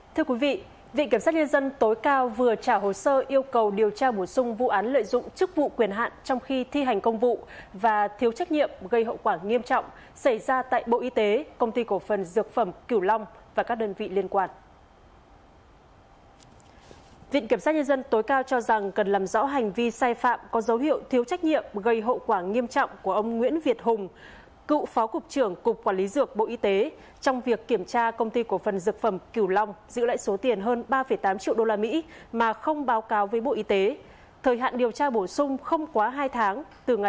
thưa quý vị viện kiểm soát nhân dân tối cao vừa trả hồ sơ yêu cầu điều tra bổ sung vụ án lợi dụng chức vụ quyền hạn trong khi thi hành công vụ và thiếu trách nhiệm gây hậu quả nghiêm trọng xảy ra tại bộ y tế công ty cổ phần dược phẩm cửu long và các đơn vị liên quan